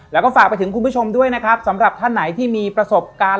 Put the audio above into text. แล้วก็ฝากไปถึงคุณผู้ชมด้วยนะครับสำหรับท่านไหนที่มีประสบการณ์